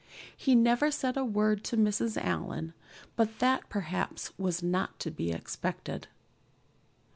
He never said a word to Mrs. Allan, but that perhaps was not to be expected.